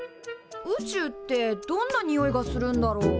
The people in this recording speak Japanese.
宇宙ってどんなにおいがするんだろう？